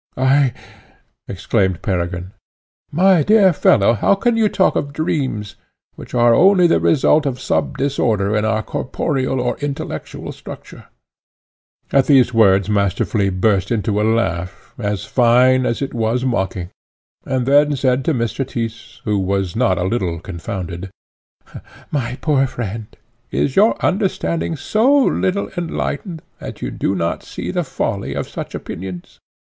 "I!" exclaimed Peregrine "My dear fellow, how can you talk of dreams, which are only the result of some disorder in our corporeal or intellectual structure?" At these words Master Flea burst into a laugh, as fine as it was mocking, and then said to Mr. Tyss, who was not a little confounded, "My poor friend, is your understanding so little enlightened, that you do not see the folly of such opinions?